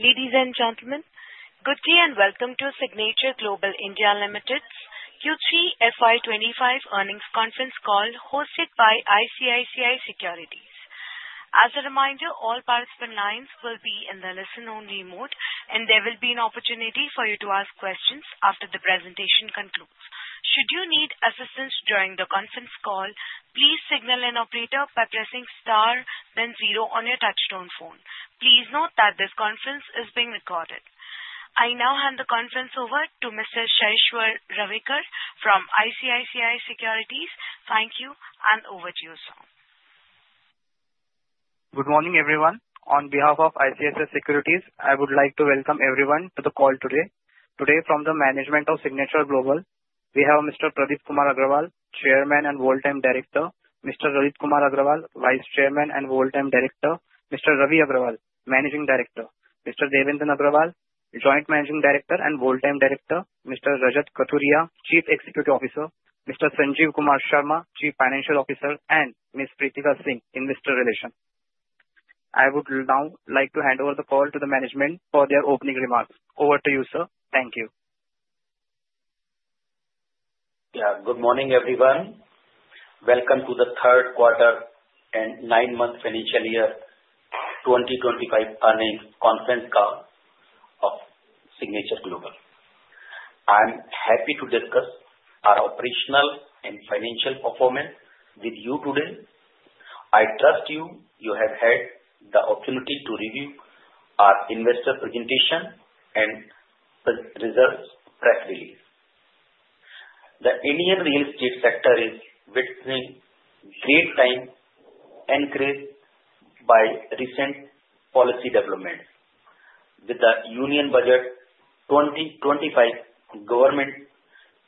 Ladies and gentlemen, good day and welcome to Signature Global (India) Limited's Q3 FY25 earnings conference call hosted by ICICI Securities. As a reminder, all participant lines will be in the listen-only mode, and there will be an opportunity for you to ask questions after the presentation concludes. Should you need assistance during the conference call, please signal an operator by pressing star, then zero on your touch-tone phone. Please note that this conference is being recorded. I now hand the conference over to Mr. Saishwar Ravekar from ICICI Securities. Thank you, and over to you, sir. Good morning, everyone. On behalf of ICICI Securities, I would like to welcome everyone to the call today. Today, from the management of Signature Global, we have Mr. Pradeep Kumar Aggarwal, Chairman and Whole-Time Director, Mr. Lalit Kumar Aggarwal, Vice Chairman and Whole-Time Director, Mr. Ravi Aggarwal, Managing Director, Mr. Devender Aggarwal, Joint Managing Director and Whole-Time Director, Mr. Rajat Kathuria, Chief Executive Officer, Mr. Sanjeev Kumar Sharma, Chief Financial Officer, and Ms. Preetika Singh in Investor Relations. I would now like to hand over the call to the management for their opening remarks. Over to you, sir. Thank you. Yeah, good morning, everyone. Welcome to the third quarter and nine-month financial year 2025 earnings conference call of Signature Global. I'm happy to discuss our operational and financial performance with you today. I trust you have had the opportunity to review our investor presentation and results press release. The Indian real estate sector is witnessing great time increase by recent policy developments, with the Union Budget 2025 government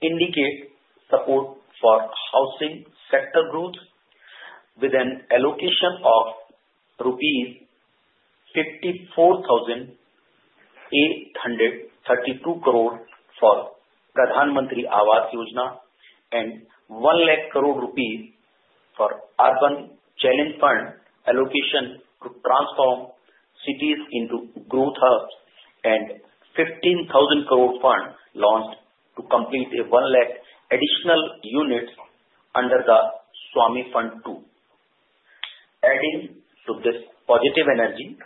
indicating support for housing sector growth, with an allocation of rupees 54,832 crore for Pradhan Mantri Awas Yojana and 1 lakh crore rupees for Urban Challenge Fund allocation to transform cities into growth hubs, and 15,000 crore fund launched to complete 1 lakh additional units under the SWAMIH Fund II. Adding to this positive energy,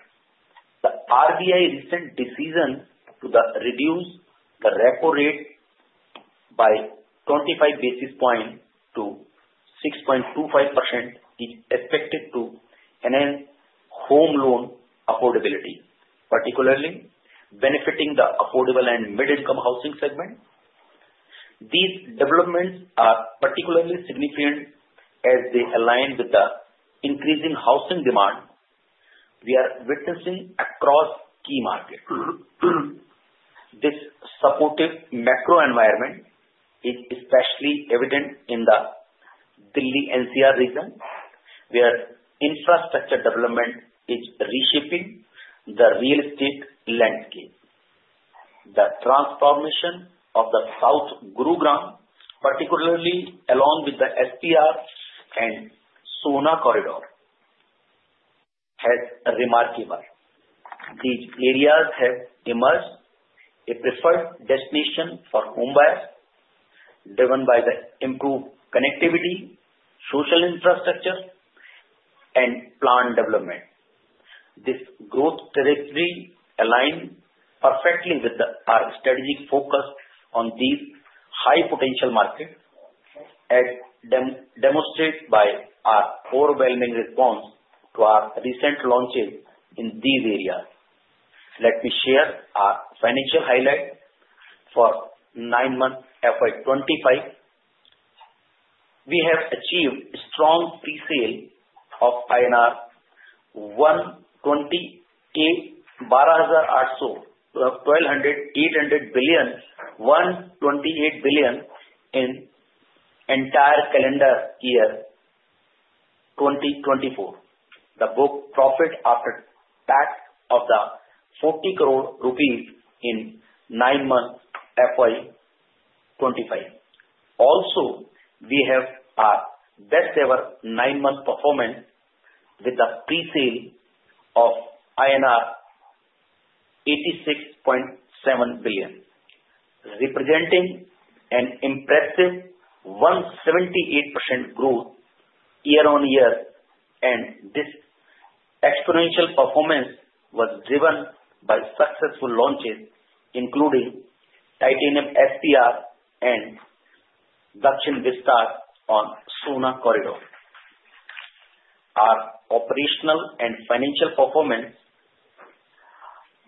the RBI's recent decision to reduce the repo rate by 25 basis points to 6.25% is expected to enhance home loan affordability, particularly benefiting the affordable and mid-income housing segment. These developments are particularly significant as they align with the increasing housing demand we are witnessing across key markets. This supportive macro environment is especially evident in the Delhi-NCR region, where infrastructure development is reshaping the real estate landscape. The transformation of the South Gurugram, particularly along with the SPR and Sohna Corridor, has been remarkable. These areas have emerged as preferred destinations for home buyers, driven by the improved connectivity, social infrastructure, and planned development. This growth territory aligns perfectly with our strategic focus on these high-potential markets, as demonstrated by our overwhelming response to our recent launches in these areas. Let me share our financial highlight for nine-month FY25. We have achieved strong pre-sales of INR 120.8 billion in the entire calendar year 2024. The book profit after tax of INR 400 million in nine-month FY25. Also, we have our best-ever nine-month performance with the pre-sales of INR 86.7 billion, representing an impressive 178% growth year-on-year, and this exponential performance was driven by successful launches, including Titanium SPR and Daxin Vistas on Sohna Corridor. Our operational and financial performance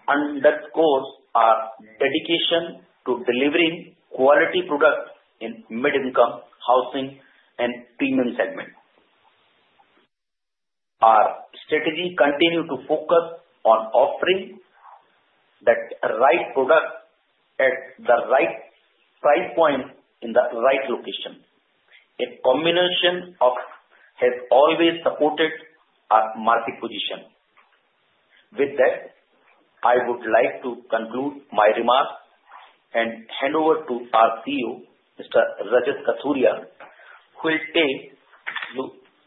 underscores our dedication to delivering quality products in mid-income housing and premium segments. Our strategy continues to focus on offering the right product at the right price point in the right location. A combination of these has always supported our market position. With that, I would like to conclude my remarks and hand over to our CEO, Mr. Rajat Kathuria, who will take you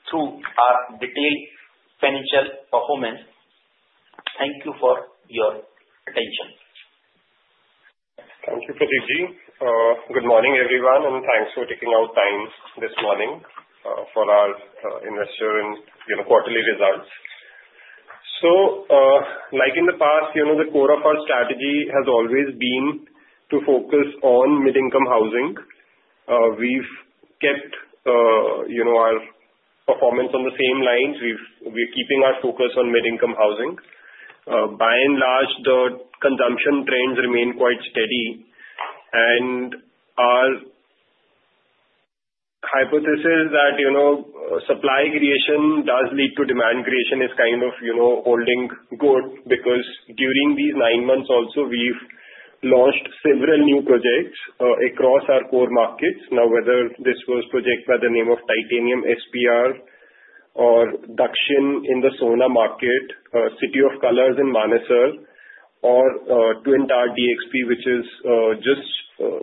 through our detailed financial performance. Thank you for your attention. Thank you, Pradeepji. Good morning, everyone, and thanks for taking out time this morning for our investor and quarterly results. So, like in the past, the core of our strategy has always been to focus on mid-income housing. We've kept our performance on the same lines. We're keeping our focus on mid-income housing. By and large, the consumption trends remain quite steady, and our hypothesis that supply creation does lead to demand creation is kind of holding good because, during these nine months, also, we've launched several new projects across our core markets. Now, whether this was a project by the name of Titanium SPR or Daxin in the Sohna market, City of Colours in Manesar, or Twin Tower DXP, which is just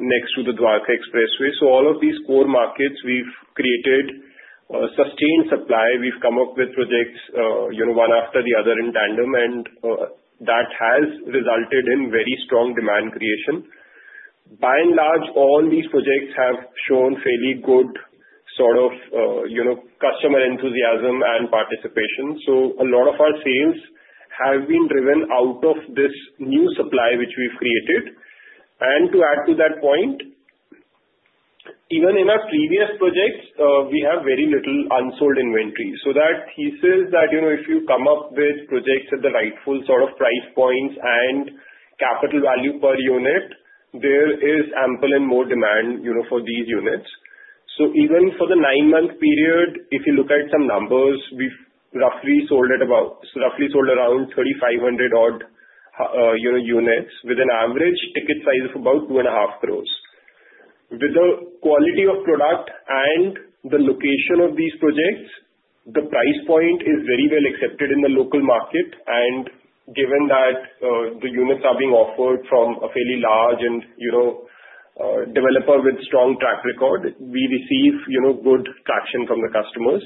next to the Dwarka Expressway. So, all of these core markets, we've created sustained supply. We've come up with projects one after the other in tandem, and that has resulted in very strong demand creation. By and large, all these projects have shown fairly good sort of customer enthusiasm and participation. So, a lot of our sales have been driven out of this new supply which we've created. And to add to that point, even in our previous projects, we have very little unsold inventory. So, that teaches that if you come up with projects at the rightful sort of price points and capital value per unit, there is ample and more demand for these units. So, even for the nine-month period, if you look at some numbers, we've roughly sold around 3,500-odd units with an average ticket size of about 2.5 crore. With the quality of product and the location of these projects, the price point is very well accepted in the local market. Given that the units are being offered from a fairly large developer with a strong track record, we receive good traction from the customers.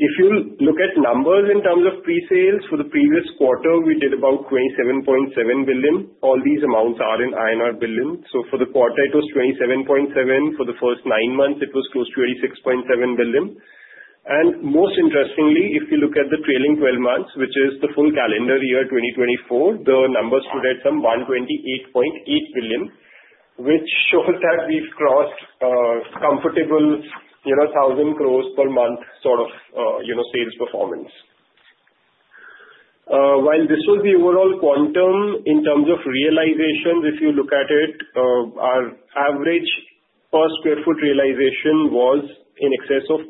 If you look at numbers in terms of pre-sales, for the previous quarter, we did about 27.7 billion. All these amounts are in INR billion. So, for the quarter, it was 27.7. For the first nine months, it was close to 26.7 billion. And most interestingly, if you look at the trailing 12 months, which is the full calendar year 2024, the numbers stood at some 128.8 billion, which shows that we've crossed comfortable 1,000 crore per month sort of sales performance. While this was the overall quantum, in terms of realization, if you look at it, our average per sq ft realization was in excess of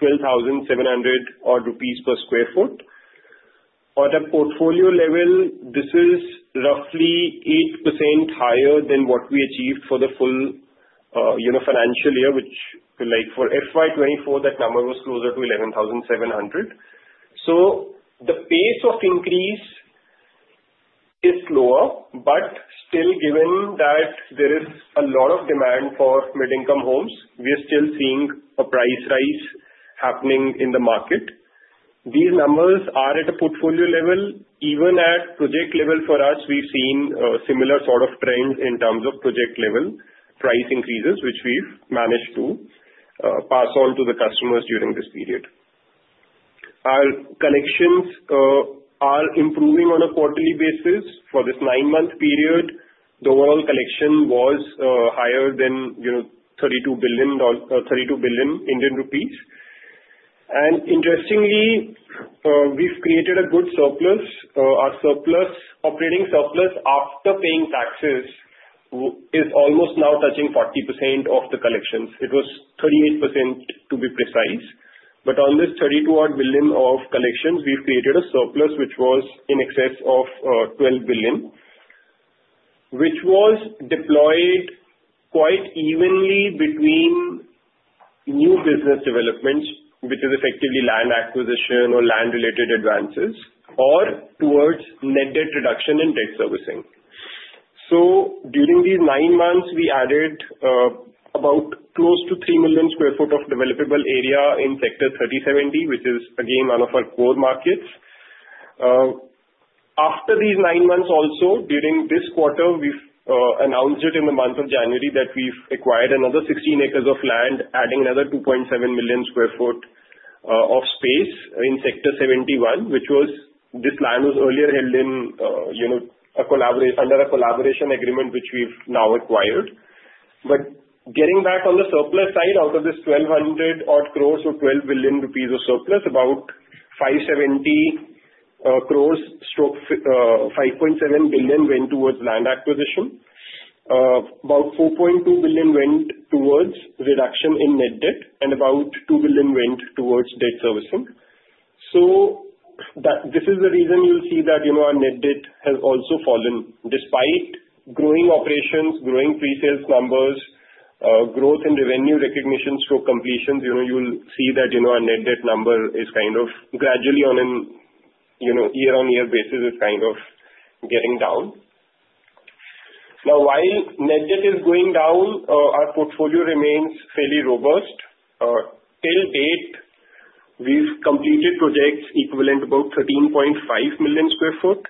12,700-odd rupees per sq ft. On a portfolio level, this is roughly 8% higher than what we achieved for the full financial year, which, like for FY24, that number was closer to 11,700. So, the pace of increase is slower, but still, given that there is a lot of demand for mid-income homes, we are still seeing a price rise happening in the market. These numbers are at a portfolio level. Even at project level, for us, we've seen a similar sort of trend in terms of project-level price increases, which we've managed to pass on to the customers during this period. Our collections are improving on a quarterly basis. For this nine-month period, the overall collection was higher than 32 billion. And interestingly, we've created a good surplus. Our operating surplus, after paying taxes, is almost now touching 40% of the collections. It was 38%, to be precise. But on this 32-odd billion of collections, we've created a surplus which was in excess of 12 billion, which was deployed quite evenly between new business developments, which is effectively land acquisition or land-related advances, or towards netted reduction in debt servicing. So, during these nine months, we added about close to 3 million sq ft of developable area in Sector 37D, which is, again, one of our core markets. After these nine months also, during this quarter, we announced it in the month of January that we've acquired another 16 acres of land, adding another 2.7 million sq ft of space in Sector 71, which this land was earlier held under a collaboration agreement, which we've now acquired. But getting back on the surplus side, out of this 1,200-odd crore or 12 billion rupees of surplus, about 570 crore or 5.7 billion went towards land acquisition. About 4.2 billion went towards reduction in net debt, and about 2 billion went towards debt servicing. So, this is the reason you'll see that our net debt has also fallen. Despite growing operations, growing pre-sales numbers, growth in revenue recognition or completions, you'll see that our net debt number is kind of gradually, on a year-on-year basis, is kind of getting down. Now, while net debt is going down, our portfolio remains fairly robust. To date, we've completed projects equivalent to about 13.5 million sq ft.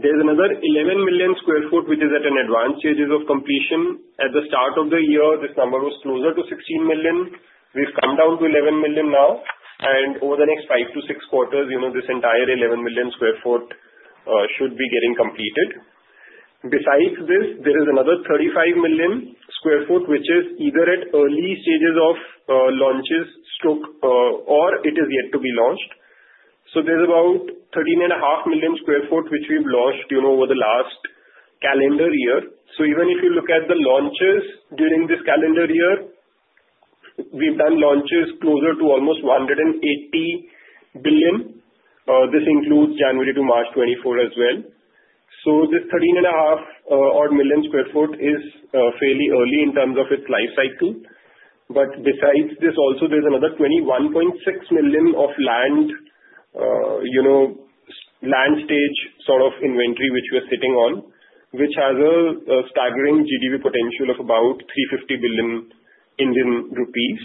There's another 11 million sq ft, which is at an advanced stage of completion. At the start of the year, this number was closer to 16 million. We've come down to 11 million now, and over the next five to six quarters, this entire 11 million sq ft should be getting completed. Besides this, there is another 35 million sq ft, which is either at early stages of launches or it is yet to be launched. There's about 13.5 million sq ft, which we've launched over the last calendar year. Even if you look at the launches during this calendar year, we've done launches closer to almost 180 billion. This includes January to March 2024 as well. This 13.5 million sq ft is fairly early in terms of its life cycle. But besides this, also, there's another 21.6 million of land stage sort of inventory which we're sitting on, which has a staggering GDV potential of about 350 billion Indian rupees.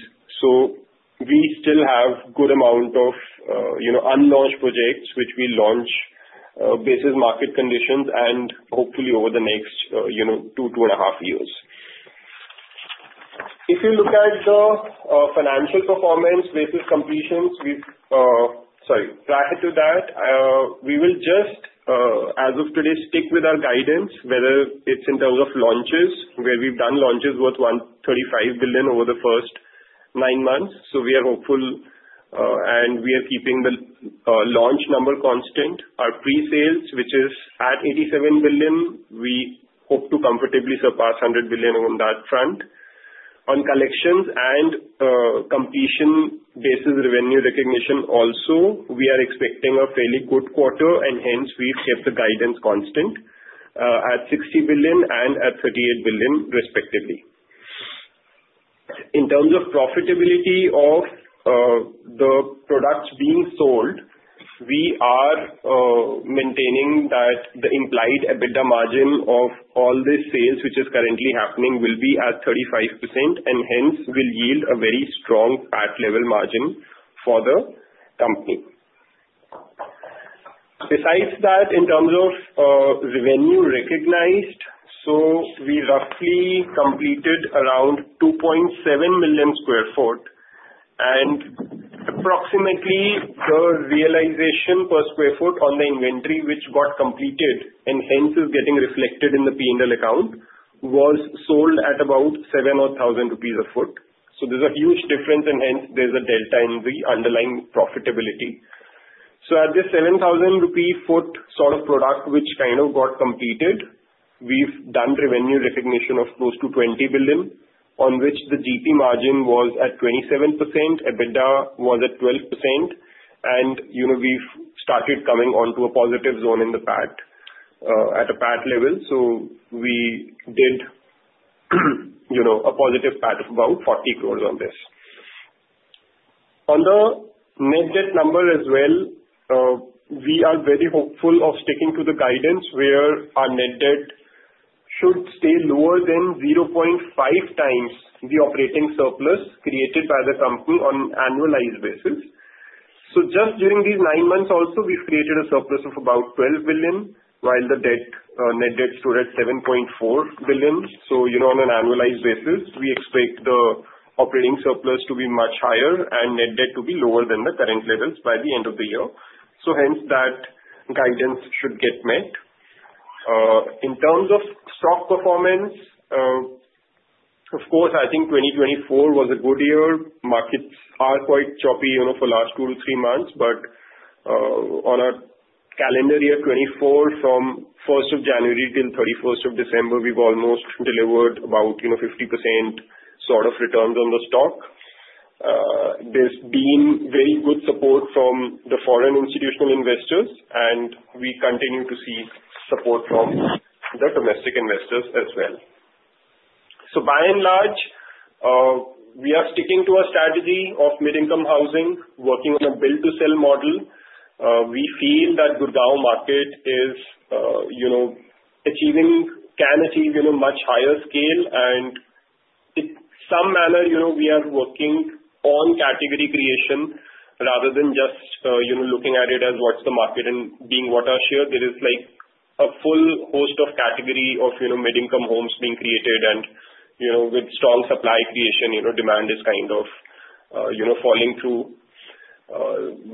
We still have a good amount of unlaunched projects, which we launch based on market conditions and hopefully over the next two, two and a half years. If you look at the financial performance versus completions, sorry, prior to that, we will just, as of today, stick with our guidance, whether it's in terms of launches, where we've done launches worth 135 billion over the first nine months. So, we are hopeful, and we are keeping the launch number constant. Our pre-sales, which is at 87 billion, we hope to comfortably surpass 100 billion on that front. On collections and completion basis revenue recognition, also, we are expecting a fairly good quarter, and hence, we've kept the guidance constant at 60 billion and at 38 billion, respectively. In terms of profitability of the products being sold, we are maintaining that the implied EBITDA margin of all these sales, which is currently happening, will be at 35%, and hence, will yield a very strong PAT level margin for the company. Besides that, in terms of revenue recognized, so we roughly completed around 2.7 million sq ft, and approximately the realization per sq ft on the inventory which got completed, and hence is getting reflected in the P&L account, was sold at about 700,000 rupees a foot. So, there's a huge difference, and hence, there's a delta in the underlying profitability. So, at this 7,000 rupee foot sort of product which kind of got completed, we've done revenue recognition of close to 20 billion, on which the GP margin was at 27%, EBITDA was at 12%, and we've started coming onto a positive zone in the PAT at a PAT level. So, we did a positive PAT of about 40 crore on this. On the net debt number as well, we are very hopeful of sticking to the guidance where our net debt should stay lower than 0.5 times the operating surplus created by the company on an annualized basis. So, just during these nine months, also, we've created a surplus of about 12 billion, while the net debt stood at 7.4 billion. So, on an annualized basis, we expect the operating surplus to be much higher and net debt to be lower than the current levels by the end of the year. So, hence, that guidance should get met. In terms of stock performance, of course, I think 2024 was a good year. Markets are quite choppy for the last two to three months, but on a calendar year 2024, from 1st of January till 31st of December, we've almost delivered about 50% sort of returns on the stock. There's been very good support from the foreign institutional investors, and we continue to see support from the domestic investors as well. So, by and large, we are sticking to our strategy of mid-income housing, working on a build-to-sell model. We feel that Gurugram market can achieve much higher scale, and in some manner, we are working on category creation rather than just looking at it as what's the market and being what our share. There is a full host of category of mid-income homes being created, and with strong supply creation, demand is kind of falling through.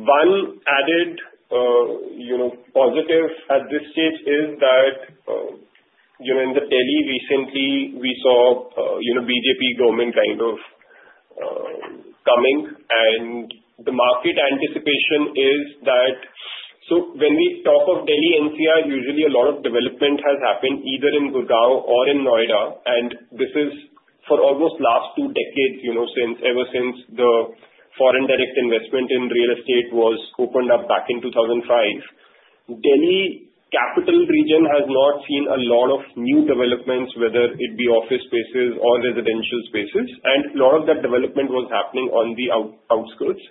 One added positive at this stage is that in Delhi recently, we saw BJP government kind of coming, and the market anticipation is that, so when we talk of Delhi-NCR, usually a lot of development has happened either in Gurugram or in Noida, and this is for almost the last two decades, ever since the foreign direct investment in real estate was opened up back in 2005. National Capital Region has not seen a lot of new developments, whether it be office spaces or residential spaces, and a lot of that development was happening on the outskirts.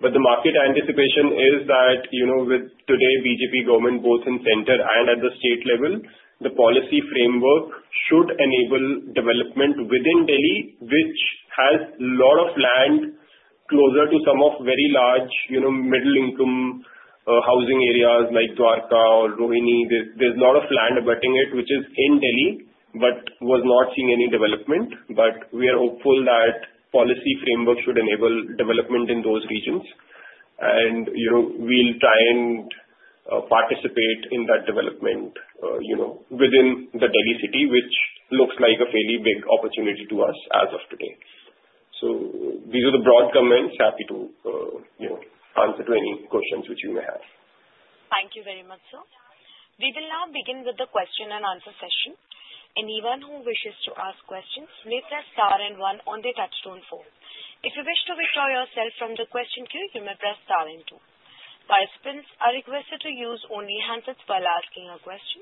But the market anticipation is that with the BJP government both in center and at the state level, the policy framework should enable development within Delhi, which has a lot of land closer to some of very large middle-income housing areas like Dwarka or Rohini. There's a lot of land abutting it, which is in Delhi, but was not seeing any development. But we are hopeful that policy framework should enable development in those regions, and we'll try and participate in that development within the Delhi city, which looks like a fairly big opportunity to us as of today. So, these are the broad comments. Happy to answer any questions which you may have. Thank you very much, sir. We will now begin with the question and answer session. Anyone who wishes to ask questions may press star and one on the touch-tone phone. If you wish to withdraw yourself from the question queue, you may press star and two. Participants are requested to use only handsets while asking a question.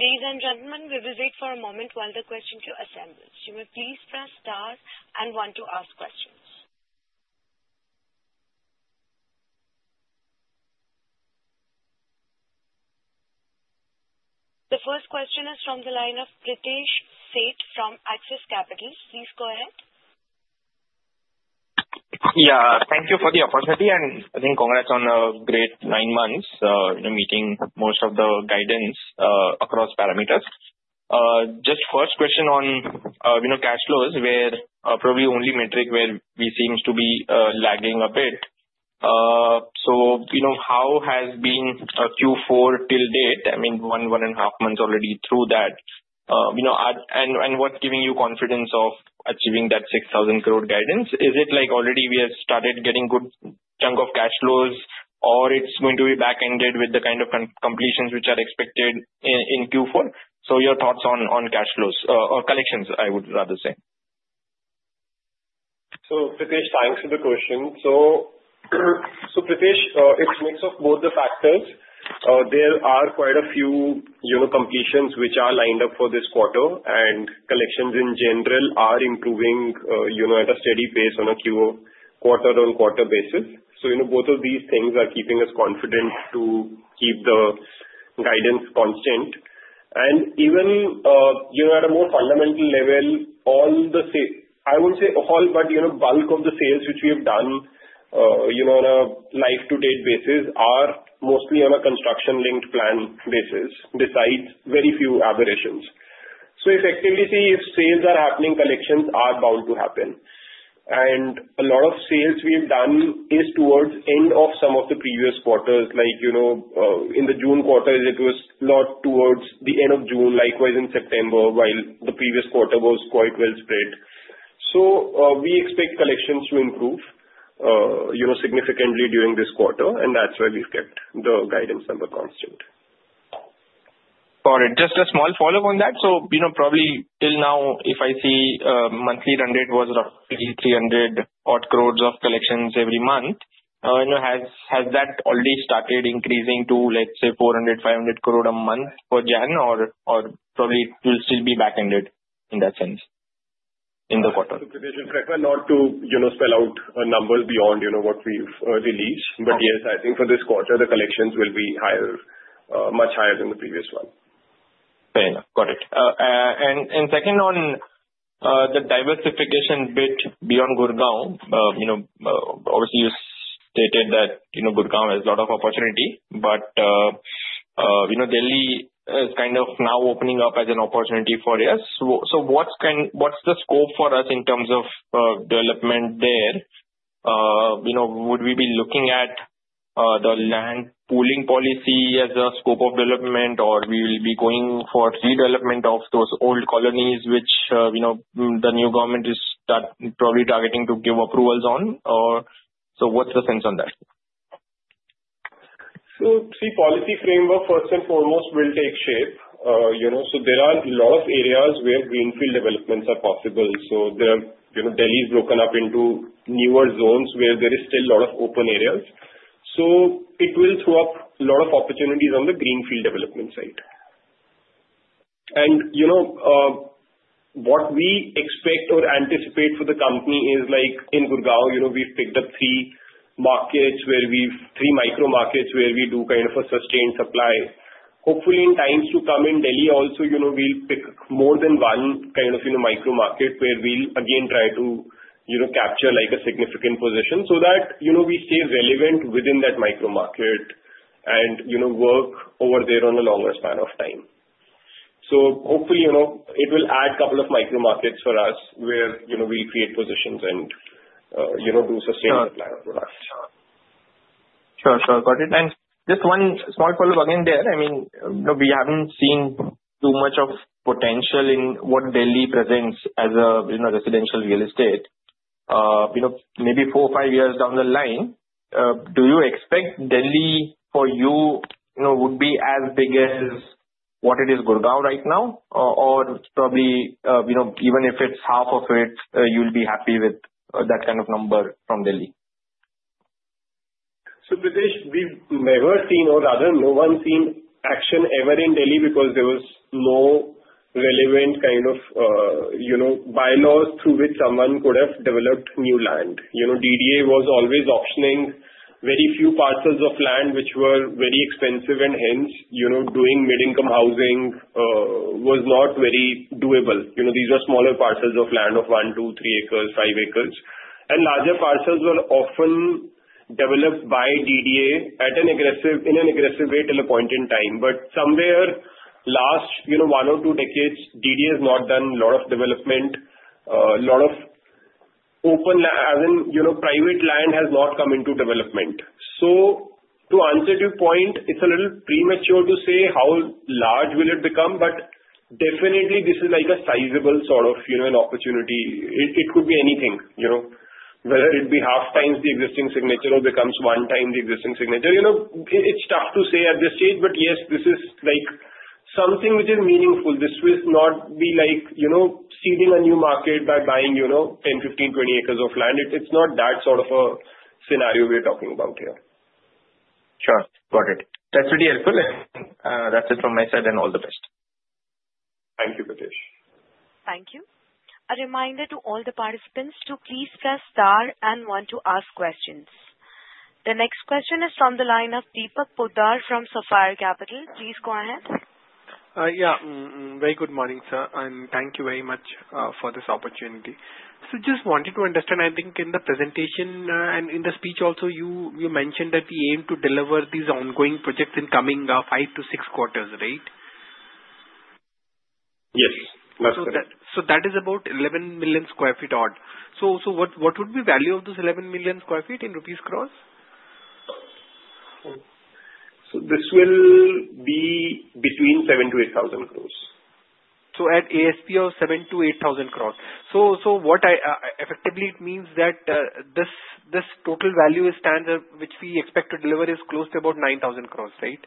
Ladies and gentlemen, we'll be waiting for a moment while the question queue assembles. You may please press star and one to ask questions. The first question is from the line of Pritesh Sheth from Axis Capital. Please go ahead. Yeah. Thank you for the opportunity, and I think congrats on a great nine months meeting most of the guidance across parameters. Just first question on cash flows, where probably only metric where we seem to be lagging a bit. So, how has been Q4 till date? I mean, one, one and a half months already through that. And what's giving you confidence of achieving that 6,000 crore guidance? Is it like already we have started getting good chunk of cash flows, or it's going to be back-ended with the kind of completions which are expected in Q4? So, your thoughts on cash flows or collections, I would rather say. So, Pritesh, thanks for the question. So, Pritesh, it's a mix of both the factors. There are quite a few completions which are lined up for this quarter, and collections in general are improving at a steady pace on a quarter-on-quarter basis. So, both of these things are keeping us confident to keep the guidance constant. And even at a more fundamental level, I wouldn't say all, but bulk of the sales which we have done on a life-to-date basis are mostly on a construction-linked plan basis, besides very few aberrations. So, effectively, see, if sales are happening, collections are bound to happen. And a lot of sales we have done is towards the end of some of the previous quarters. Like in the June quarter, it was a lot towards the end of June, likewise in September, while the previous quarter was quite well spread. So, we expect collections to improve significantly during this quarter, and that's why we've kept the guidance number constant. Got it. Just a small follow-up on that. So, probably till now, if I see monthly run rate was roughly 300-odd crore of collections every month, has that already started increasing to, let's say, 400, 500 crore a month for January, or probably it will still be back-ended in that sense in the quarter? I prefer not to spell out numbers beyond what we've released. But yes, I think for this quarter, the collections will be much higher than the previous one. Fair enough. Got it. And second, on the diversification bit beyond Gurugram, obviously, you stated that Gurugram has a lot of opportunity, but Delhi is kind of now opening up as an opportunity for us. So, what's the scope for us in terms of development there? Would we be looking at the land pooling policy as a scope of development, or we will be going for redevelopment of those old colonies which the new government is probably targeting to give approvals on? So, what's the sense on that? So, see, policy framework first and foremost will take shape. So, there are a lot of areas where greenfield developments are possible. So, Delhi is broken up into newer zones where there is still a lot of open areas. So, it will throw up a lot of opportunities on the greenfield development side. And what we expect or anticipate for the company is, like in Gurugram, we've picked up three micro-markets where we do kind of a sustained supply. Hopefully, in times to come in Delhi, also, we'll pick more than one kind of micro-market where we'll again try to capture a significant position so that we stay relevant within that micro-market and work over there on a longer span of time. So, hopefully, it will add a couple of micro-markets for us where we'll create positions and do sustained supply of products. Sure, sure. Got it. And just one small follow-up again there. I mean, we haven't seen too much of potential in what Delhi presents as a residential real estate. Maybe four or five years down the line, do you expect Delhi for you would be as big as what it is Gurugram right now, or probably even if it's half of it, you'll be happy with that kind of number from Delhi? Pritesh, we've never seen or rather no one seen action ever in Delhi because there was no relevant kind of bylaws through which someone could have developed new land. DDA was always auctioning very few parcels of land which were very expensive, and hence, doing mid-income housing was not very doable. These are smaller parcels of land of 1, 2, 3 acres, 5 acres. Larger parcels were often developed by DDA in an aggressive way till a point in time. But somewhere last one or two decades, DDA has not done a lot of development. A lot of open land, as in private land, has not come into development. To answer your point, it's a little premature to say how large will it become, but definitely, this is like a sizable sort of an opportunity. It could be anything, whether it be half times the existing Signature or becomes one times the existing Signature. It's tough to say at this stage, but yes, this is something which is meaningful. This will not be like seeding a new market by buying 10, 15, 20 acres of land. It's not that sort of a scenario we're talking about here. Sure. Got it. That's really helpful. That's it from my side, and all the best. Thank you, Pritesh. Thank you. A reminder to all the participants to please press star and one to ask questions. The next question is from the line of Deepak Poddar from Sapphire Capital. Please go ahead. Yeah. Very good morning, sir. And thank you very much for this opportunity. So, just wanted to understand. I think in the presentation and in the speech also, you mentioned that the aim to deliver these ongoing projects in coming five to six quarters, right? Yes. That's correct. So, that is about 11 million sq ft odd. So, what would be the value of those 11 million sq ft in rupees crore? So, this will be between 7,000-8,000 crore. So, at ASP of 7,000-8,000. So, effectively, it means that this total value stands at which we expect to deliver is close to about 9,000 crore, right?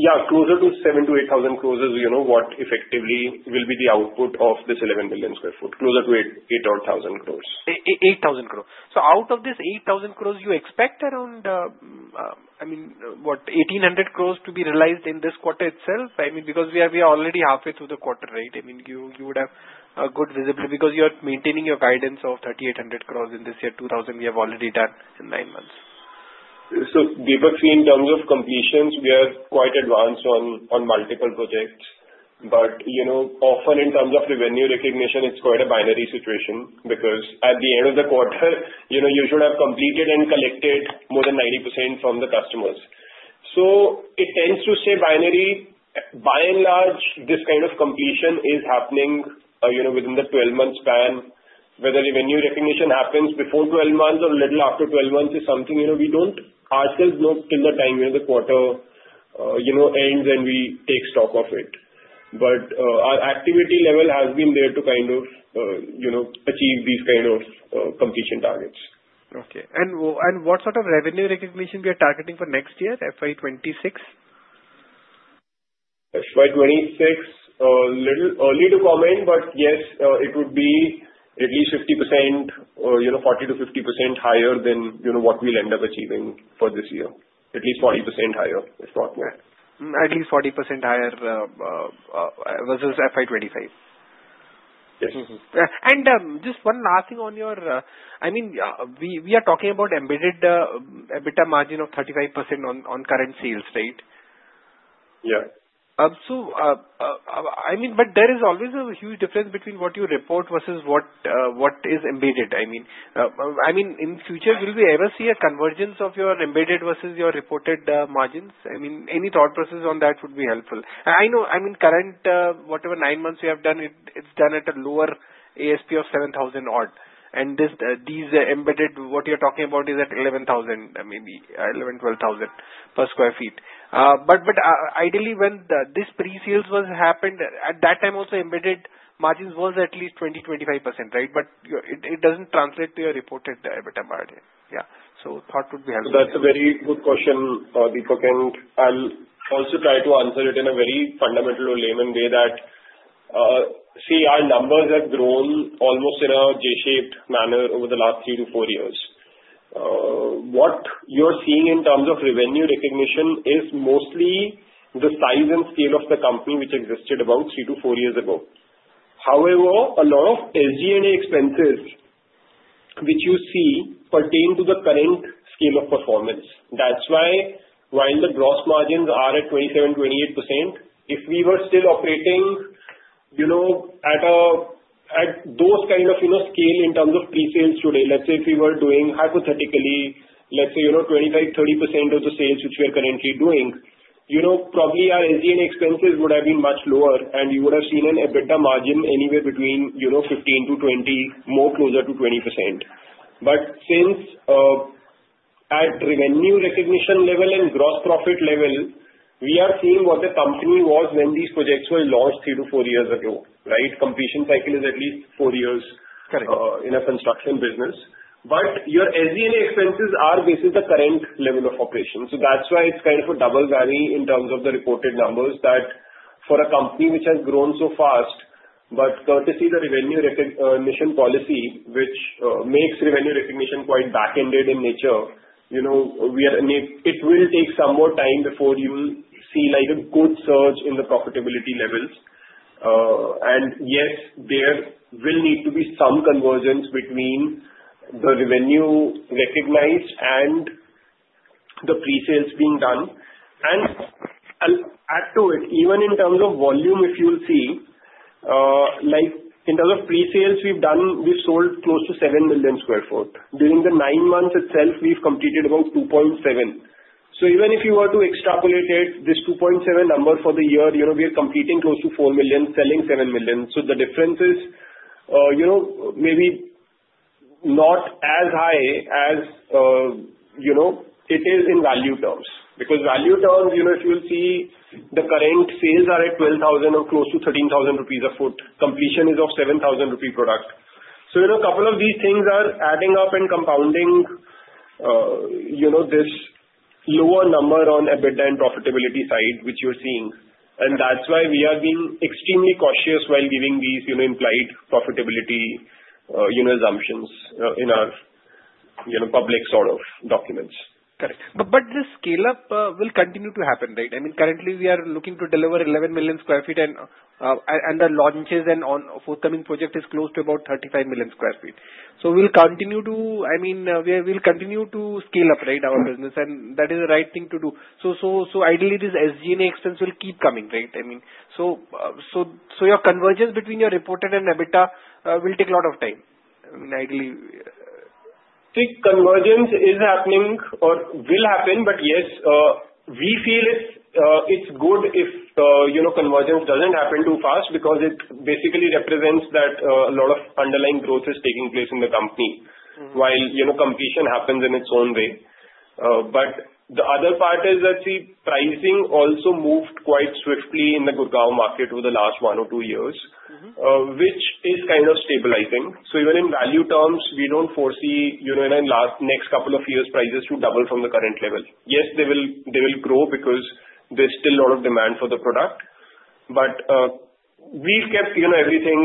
Yeah. Closer to 7,000-8,000 crore is what effectively will be the output of this 11 million sq ft. Closer to 8,000-10,000 crore. 8,000 crore. Out of this 8,000 crore, you expect around, I mean, what, 1,800 crore to be realized in this quarter itself? I mean, because we are already halfway through the quarter, right? I mean, you would have a good visibility because you are maintaining your guidance of 3,800 crore in this year. 2,000 crore we have already done in nine months. Deepak, seeing in terms of completions, we are quite advanced on multiple projects. But often, in terms of revenue recognition, it is quite a binary situation because at the end of the quarter, you should have completed and collected more than 90% from the customers. It tends to stay binary. By and large, this kind of completion is happening within the 12-month span. Whether revenue recognition happens before 12 months or a little after 12 months is something we don't hardly know till the time the quarter ends and we take stock of it. But our activity level has been there to kind of achieve these kind of completion targets. Okay. And what sort of revenue recognition we are targeting for next year, FY26? FY26, a little early to comment, but yes, it would be at least 50%, 40%-50% higher than what we'll end up achieving for this year. At least 40% higher, if not more. At least 40% higher versus FY25. Yes. And just one last thing on your, I mean, we are talking about embedded EBITDA margin of 35% on current sales, right? Yeah. So, I mean, but there is always a huge difference between what you report versus what is embedded. I mean, in future, will we ever see a convergence of your embedded versus your reported margins? I mean, any thought process on that would be helpful. I know, I mean, current, whatever nine months we have done, it's done at a lower ASP of 7,000 odd. And these embedded, what you're talking about is at 11,000, maybe 11000-12000 per sq ft. But ideally, when this pre-sales was happened, at that time also, embedded margins was at least 20%-25%, right? But it doesn't translate to your reported EBITDA margin. Yeah. So, thought would be helpful. That's a very good question, Deepak, and I'll also try to answer it in a very fundamental or layman way that, see, our numbers have grown almost in a J-shaped manner over the last three to four years. What you're seeing in terms of revenue recognition is mostly the size and scale of the company which existed about three to four years ago. However, a lot of SG&A expenses which you see pertain to the current scale of performance. That's why while the gross margins are at 27%-28%, if we were still operating at those kind of scale in terms of pre-sales today, let's say if we were doing hypothetically, let's say 25%-30% of the sales which we are currently doing, probably our SG&A expenses would have been much lower, and you would have seen an EBITDA margin anywhere between 15%-20%, more closer to 20%. But since at revenue recognition level and gross profit level, we are seeing what the company was when these projects were launched three to four years ago, right? Completion cycle is at least four years in a construction business, but your SG&A expenses are basically the current level of operation, so that's why it's kind of a double value in terms of the reported numbers that for a company which has grown so fast, but courtesy of the revenue recognition policy which makes revenue recognition quite back-ended in nature, it will take some more time before you see a good surge in the profitability levels, and yes, there will need to be some convergence between the revenue recognized and the pre-sales being done, and add to it, even in terms of volume, if you'll see, in terms of pre-sales we've done, we've sold close to 7 million sq ft. During the nine months itself, we've completed about 2.7. So, even if you were to extrapolate it, this 2.7 number for the year, we are completing close to 4 million, selling 7 million. So, the difference is maybe not as high as it is in value terms. Because value terms, if you'll see, the current sales are at 12,000 or close to 13,000 rupees a sq ft. Completion is of 7,000 rupee product. So, a couple of these things are adding up and compounding this lower number on EBITDA and profitability side which you're seeing. And that's why we are being extremely cautious while giving these implied profitability assumptions in our public sort of documents. Correct. But the scale-up will continue to happen, right? I mean, currently, we are looking to deliver 11 million sq ft, and the launches and forthcoming project is close to about 35 million sq ft. So, we'll continue to, I mean, we'll continue to scale up, right, our business, and that is the right thing to do. So, ideally, these SG&A expenses will keep coming, right? I mean, so your convergence between your reported and EBITDA will take a lot of time. I mean, ideally. See, convergence is happening or will happen, but yes, we feel it's good if convergence doesn't happen too fast because it basically represents that a lot of underlying growth is taking place in the company while completion happens in its own way. But the other part is that the pricing also moved quite swiftly in the Gurugram market over the last one or two years, which is kind of stabilizing. So, even in value terms, we don't foresee in the next couple of years prices to double from the current level. Yes, they will grow because there's still a lot of demand for the product. But we've kept everything,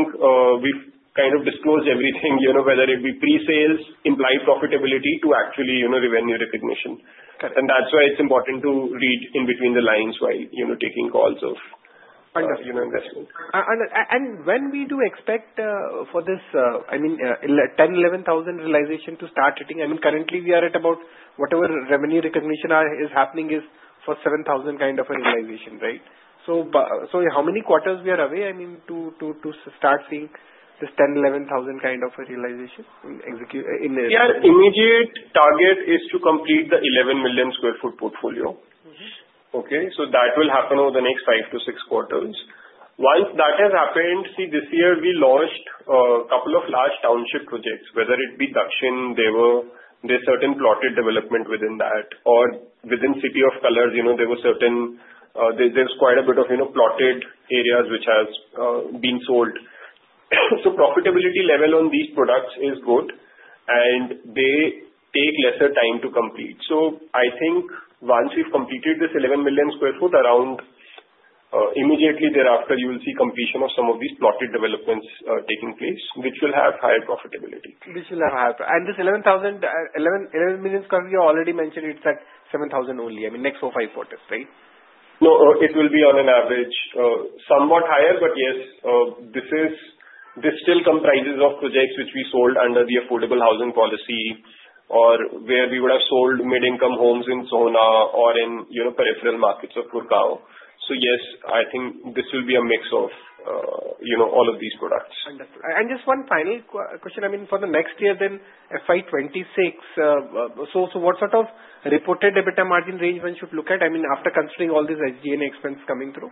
we've kind of disclosed everything, whether it be pre-sales, implied profitability to actually revenue recognition. And that's why it's important to read between the lines while taking calls on investment. And when we do expect for this, I mean, 10,000-11,000 realization to start hitting, I mean, currently, we are at about whatever revenue recognition is happening is for 7,000 kind of a realization, right? So, how many quarters we are away, I mean, to start seeing this 10,000-11,000 kind of a realization in? Yeah. Immediate target is to complete the 11 million sq ft portfolio. Okay? So, that will happen over the next five to six quarters. Once that has happened, see, this year we launched a couple of large township projects, whether it be Daxin, there were certain plotted development within that, or within City of Colours, there were certain, there's quite a bit of plotted areas which has been sold. So, profitability level on these products is good, and they take lesser time to complete. So, I think once we've completed this 11 million sq ft, around immediately thereafter, you'll see completion of some of these plotted developments taking place, which will have higher profitability. And this 11 million sq ft, you already mentioned it's at 7,000 only, I mean, next four or five quarters, right? No, it will be on an average somewhat higher, but yes, this still comprises of projects which we sold under the affordable housing policy or where we would have sold mid-income homes in Sohna or in peripheral markets of Gurugram. So, yes, I think this will be a mix of all of these products. Understood. And just one final question. I mean, for the next year then, FY26, so what sort of reported EBITDA margin range one should look at, I mean, after considering all these SG&A expenses coming through?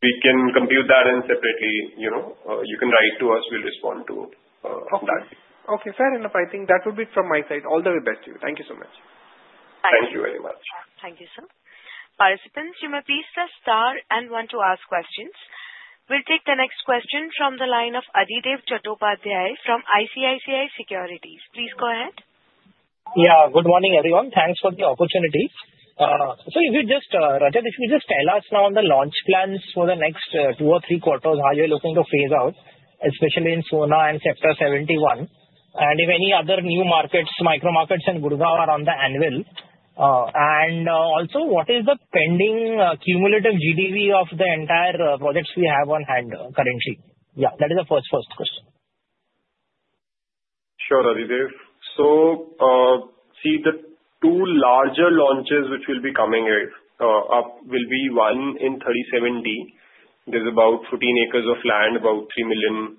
We can compute that in separately. You can write to us, we'll respond to that. Okay. Fair enough. I think that would be it from my side. All the best to you. Thank you so much. Thank you very much. Thank you, sir. Participants, you may please press star and one to ask questions. We'll take the next question from the line of Adhidev Chattopadhyay from ICICI Securities. Please go ahead. Yeah. Good morning, everyone. Thanks for the opportunity. So, if you just, Rajat, if you just tell us now on the launch plans for the next two or three quarters, how you're looking to phase out, especially in Sohna and Sector 71, and if any other new markets, micro markets in Gurugram are on the anvil. And also, what is the pending cumulative GDV of the entire projects we have on hand currently? Yeah, that is the first question. Sure, Adhidev. So, see, the two larger launches which will be coming up will be one in 37D. There's about 14 acres of land, about 3 million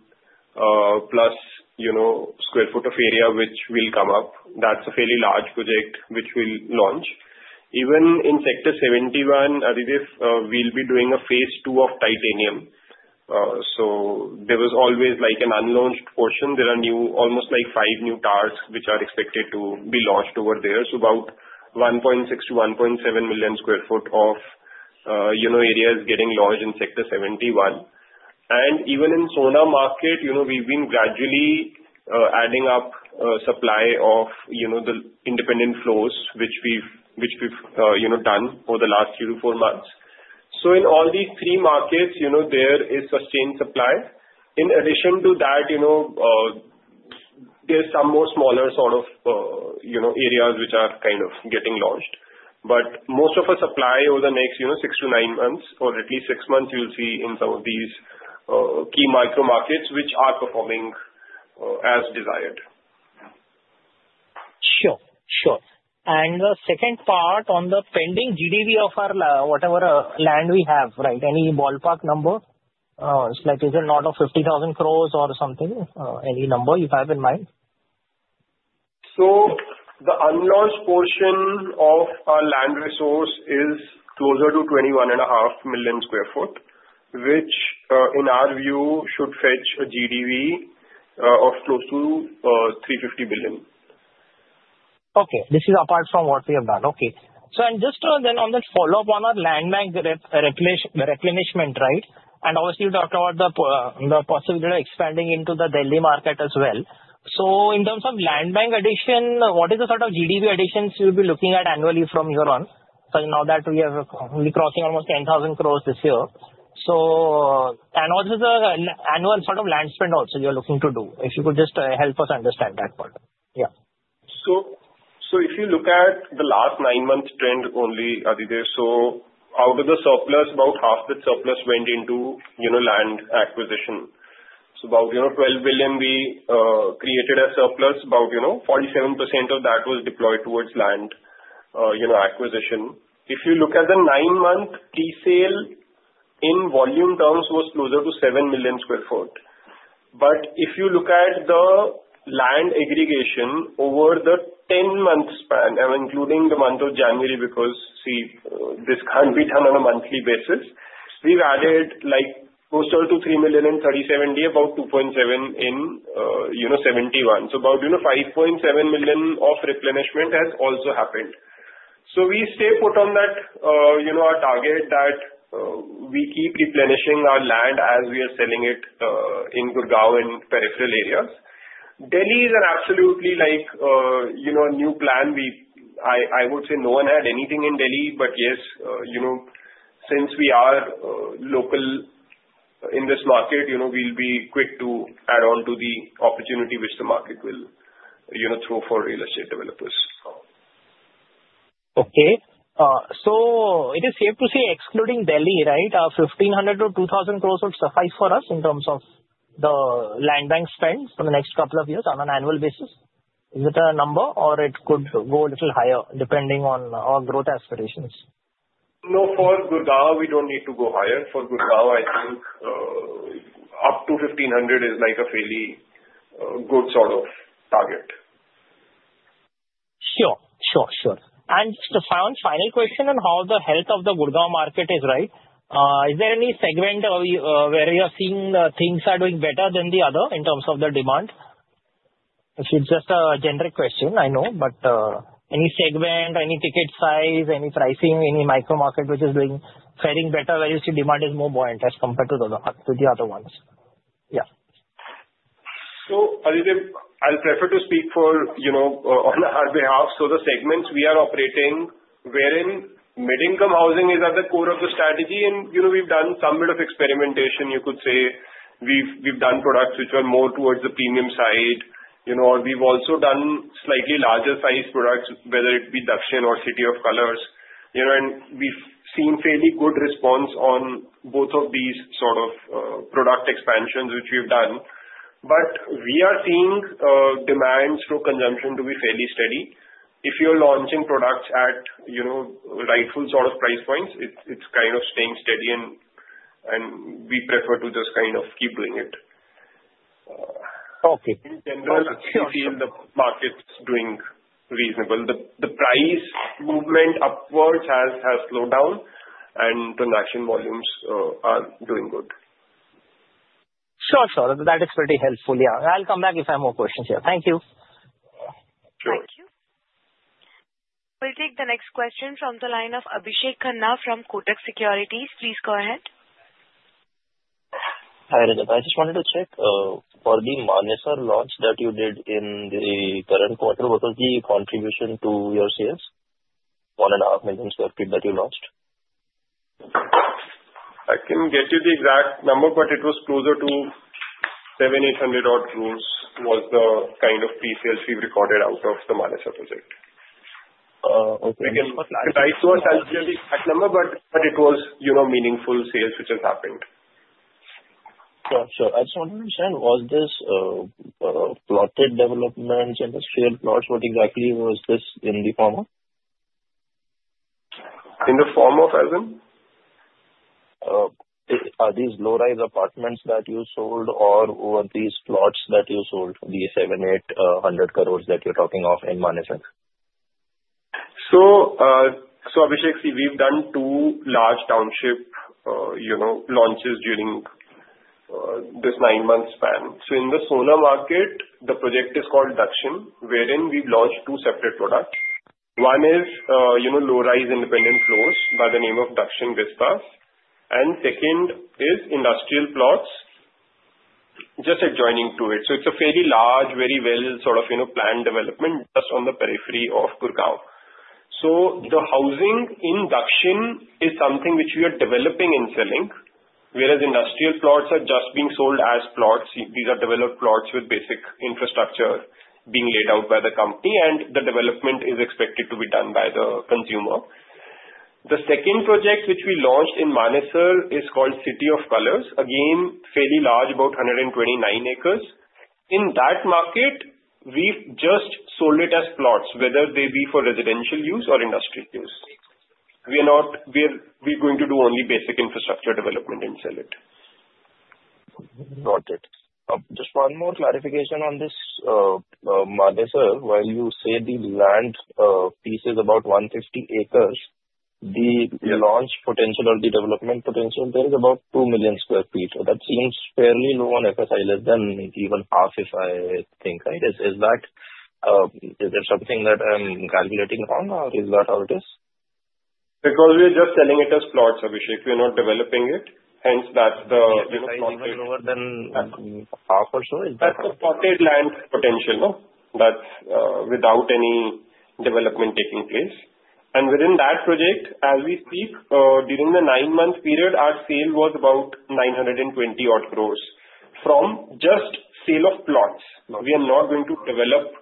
plus sq ft of area which will come up. That's a fairly large project which we'll launch. Even in Sector 71, Adhidev, we'll be doing a phase two of titanium. So, there was always an unlaunched portion. There are almost five new towers which are expected to be launched over there. So, about 1.6-1.7 million sq ft of area is getting launched in Sector 71. And even in Sohna market, we've been gradually adding up supply of the independent floors which we've done over the last three to four months. So, in all these three markets, there is sustained supply. In addition to that, there's some more smaller sort of areas which are kind of getting launched. But most of our supply over the next six to nine months or at least six months, you'll see in some of these key micro markets which are performing as desired. Sure. Sure. And the second part on the pending GDV of whatever land we have, right? Any ballpark number? It's like a lot of 50,000 crore or something. Any number you have in mind? The unlaunched portion of our land resource is closer to 21.5 million sq ft, which in our view should fetch a GDV of close to 350 billion. Okay. This is apart from what we have done. Okay. Just to then on the follow-up on our land bank replenishment, right? And obviously, you talked about the possibility of expanding into the Delhi market as well. In terms of land bank addition, what is the sort of GDV additions you'll be looking at annually from here on? Now that we are only crossing almost 10,000 crore this year. And what is the annual sort of land spend also you're looking to do? If you could just help us understand that part. Yeah. If you look at the last nine months trend only, Adhidev, out of the surplus, about half the surplus went into land acquisition. About INR 12 billion we created as surplus. About 47% of that was deployed towards land acquisition. If you look at the nine-month pre-sale in volume terms, it was closer to 7 million sq ft. But if you look at the land aggregation over the 10-month span, including the month of January, because see, this can't be done on a monthly basis, we've added closer to 3 million in 37D, about 2.7 in 71. About 5.7 million of replenishment has also happened. We stay put on that target that we keep replenishing our land as we are selling it in Gurugram and peripheral areas. Delhi is an absolutely new plan. I would say no one had anything in Delhi, but yes, since we are local in this market, we'll be quick to add on to the opportunity which the market will throw for real estate developers. Okay. So, it is safe to say excluding Delhi, right, 1,500-2,000 crore would suffice for us in terms of the land bank spend for the next couple of years on an annual basis. Is it a number or it could go a little higher depending on our growth aspirations? No, for Gurugram, we don't need to go higher. For Gurugram, I think up to 1,500 is a fairly good sort of target. Sure. Sure. Sure. And just a final question on how the health of the Gurugram market is, right? Is there any segment where you're seeing things are doing better than the other in terms of the demand? It's just a generic question, I know, but any segment, any ticket size, any pricing, any micro market which is doing fairly better, where you see demand is more buoyant as compared to the other ones? Yeah. So, Adhidev, I'll prefer to speak on our behalf. The segments we are operating, wherein mid-income housing is at the core of the strategy, and we've done some bit of experimentation, you could say. We've done products which are more towards the premium side, or we've also done slightly larger-sized products, whether it be Daxin or City of Colours. And we've seen fairly good response on both of these sort of product expansions which we've done. But we are seeing demand through consumption to be fairly steady. If you're launching products at rightful sort of price points, it's kind of staying steady, and we prefer to just kind of keep doing it. In general, we feel the market's doing reasonable. The price movement upwards has slowed down, and transaction volumes are doing good. Sure. Sure. That is pretty helpful. Yeah. I'll come back if I have more questions here. Thank you. Sure. Thank you. We'll take the next question from the line of Abhishek Khanna from Kotak Securities. Please go ahead. Hi, Adhidev. I just wanted to check for the Manesar launch that you did in the current quarter, what was the contribution to your sales? 1.5 million sq ft that you launched? I can get you the exact number, but it was closer to 700-800-odd crore was the kind of pre-sales we've recorded out of the Manesar project. We can try to assess the exact number, but it was meaningful sales which have happened. Sure. Sure. I just wanted to understand, was this plotted development, industrial plots, what exactly was this in the form of? In the form of as in? Are these low-rise apartments that you sold, or were these plots that you sold, the 700-800 crore that you're talking of in Manesar? Abhishek, see, we've done two large township launches during this nine-month span. In the Sohna market, the project is called Daxin, wherein we've launched two separate products. One is low-rise independent floors by the name of Daxin Vistas. And second is industrial plots just adjoining to it. It's a fairly large, very well sort of planned development just on the periphery of Gurugram. The housing in Daxin is something which we are developing and selling, whereas industrial plots are just being sold as plots. These are developed plots with basic infrastructure being laid out by the company, and the development is expected to be done by the consumer. The second project which we launched in Manesar is called City of Colours. Again, fairly large, about 129 acres. In that market, we've just sold it as plots, whether they be for residential use or industrial use. We're going to do only basic infrastructure development and sell it. Got it. Just one more clarification on this Manesar. While you say the land piece is about 150 acres, the launch potential or the development potential there is about 2 million sq ft. That seems fairly low on FSI, less than even half FSI, I think. Is that something that I'm calculating wrong, or is that how it is? Because we're just selling it as plots, Abhishek. We're not developing it. Hence, that's the. Okay. So, it's slightly lower than half or so? That's the plotted land potential. That's without any development taking place. And within that project, as we speak, during the nine-month period, our sale was about 920-odd crore from just sale of plots. We are not going to develop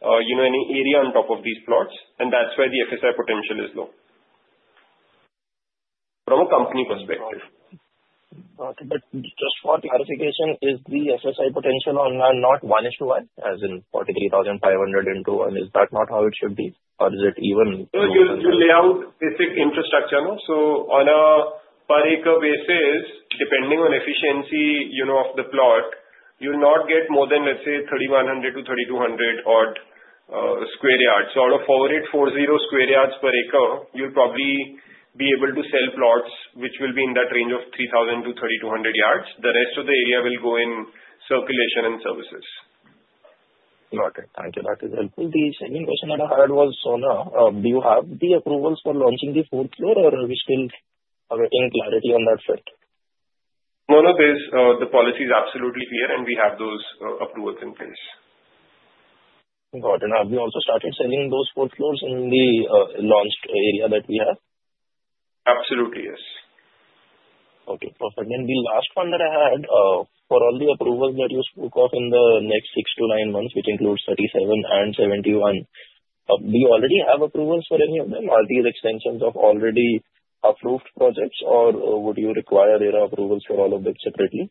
any area on top of these plots, and that's where the FSI potential is low from a company perspective. Okay. But just for clarification, is the FSI potential not 1:1, as in 43,500 into 1? Is that not how it should be, or is it even? You lay out basic infrastructure. So, on a per-acre basis, depending on efficiency of the plot, you'll not get more than, let's say, 3,100-3,200 odd square yards. So, out of 400 sq yards per acre, you'll probably be able to sell plots which will be in that range of 3,000-3,200 yards. The rest of the area will go in circulation and services. Got it. Thank you. That is helpful. The second question that I had was Sohna. Do you have the approvals for launching the fourth floor, or are we still awaiting clarity on that front? No, no. The policy is absolutely clear, and we have those approvals in place. Got it. And have you also started selling those fourth floors in the la unched area that we have? Absolutely, yes. Okay. Perfect. Then the last one that I had, for all the approvals that you spoke of in the next six to nine months, which includes 37 and 71, do you already have approvals for any of them, or are these extensions of already approved projects, or would you require their approvals for all of them separately?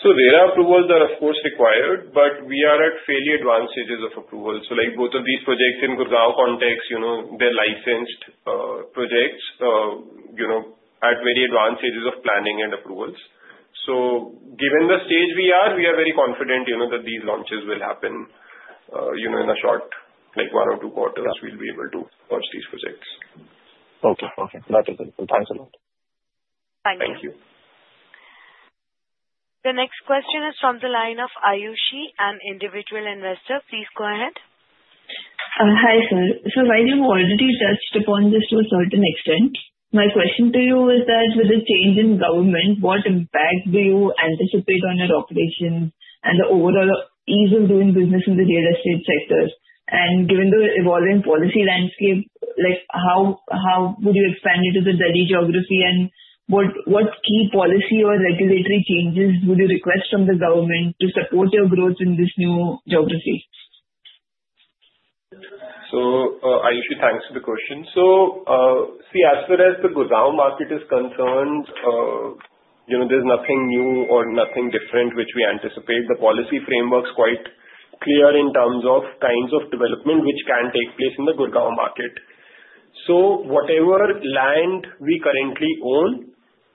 So, their approvals are, of course, required, but we are at fairly advanced stages of approval. So, both of these projects in Gurugram context, they're licensed projects at very advanced stages of planning and approvals. So, given the stage we are, we are very confident that these launches will happen in a short, like one or two quarters, we'll be able to launch these projects. Okay. Okay. That is helpful. Thanks a lot. Thank you. Thank you. The next question is from the line of Ayushi, an individual investor. Please go ahead. Hi, sir. So, while you've already touched upon this to a certain extent, my question to you is that, with the change in government, what impact do you anticipate on your operations and the overall ease of doing business in the real estate sector? Given the evolving policy landscape, how would you expand into the Delhi geography, and what key policy or regulatory changes would you request from the government to support your growth in this new geography? So, Ayushi, thanks for the question. So, see, as far as the Gurugram market is concerned, there's nothing new or nothing different which we anticipate. The policy framework's quite clear in terms of kinds of development which can take place in the Gurugram market. So, whatever land we currently own,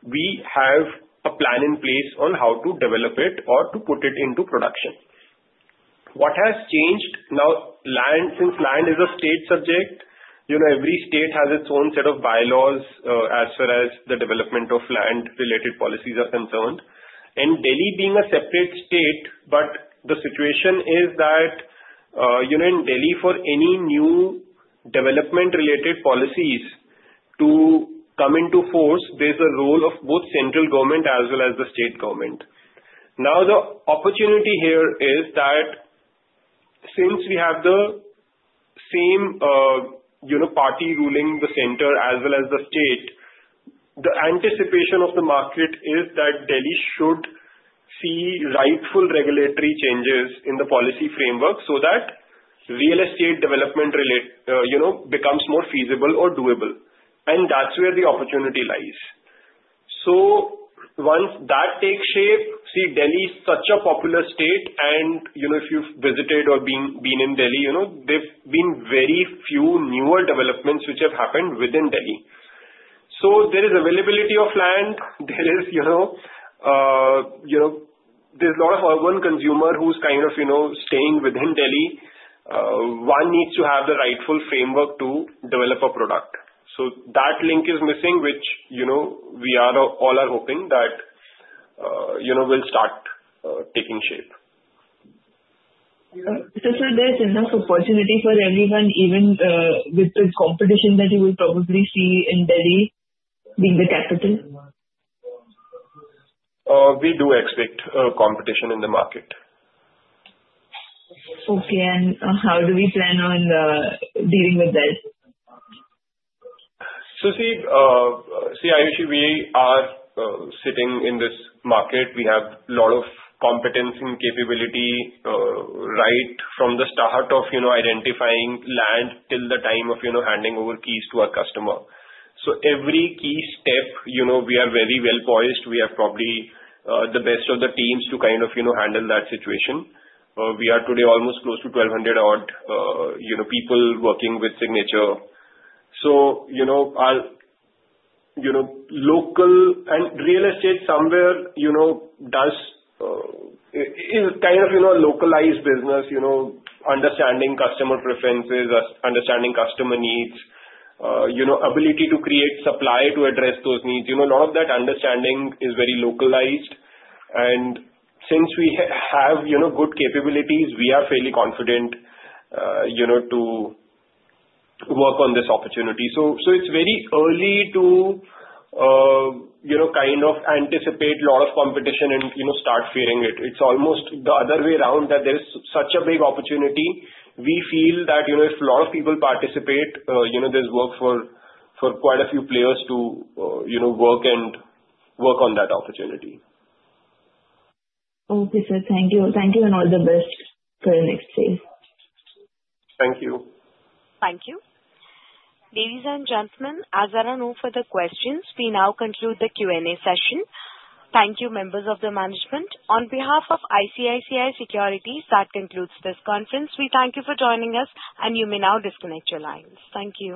we have a plan in place on how to develop it or to put it into production. What has changed now? Since land is a state subject, every state has its own set of bylaws as far as the development of land-related policies are concerned. Delhi being a separate state, but the situation is that in Delhi, for any new development-related policies to come into force, there's a role of both central government as well as the state government. Now, the opportunity here is that since we have the same party ruling the center as well as the state, the anticipation of the market is that Delhi should see rightful regulatory changes in the policy framework so that real estate development becomes more feasible or doable. And that's where the opportunity lies. So, once that takes shape, see, Delhi is such a popular state, and if you've visited or been in Delhi, there've been very few newer developments which have happened within Delhi. So, there is availability of land. There is a lot of urban consumer who's kind of staying within Delhi. One needs to have the rightful framework to develop a product. That link is missing, which we are all hoping that will start taking shape. Sir, there's enough opportunity for everyone, even with the competition that you will probably see in Delhi being the capital? We do expect competition in the market. Okay. And how do we plan on dealing with that? See, Ayushi, we are sitting in this market. We have a lot of competence and capability right from the start of identifying land till the time of handing over keys to our customer. Every key step, we are very well poised. We have probably the best of the teams to kind of handle that situation. We are today almost close to 1,200 odd people working with Signature. Local and real estate somewhere is kind of a localized business, understanding customer preferences, understanding customer needs, ability to create supply to address those needs. A lot of that understanding is very localized. And since we have good capabilities, we are fairly confident to work on this opportunity. So, it's very early to kind of anticipate a lot of competition and start fearing it. It's almost the other way around that there's such a big opportunity. We feel that if a lot of people participate, there's work for quite a few players to work and work on that opportunity. Okay, sir. Thank you. Thank you, and all the best for your next phase. Thank you. Thank you. Ladies and gentlemen, as we run out of questions, we now conclude the Q&A session. Thank you, members of the management. On behalf of ICICI Securities, that concludes this conference. We thank you for joining us, and you may now disconnect your lines. Thank you.